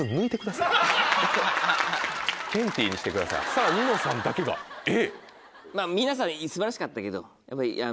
さぁニノさんだけがＡ。